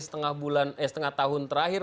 setengah tahun terakhir